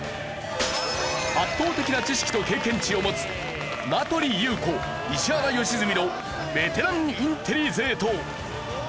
圧倒的な知識と経験値を持つ名取裕子石原良純のベテランインテリ勢と。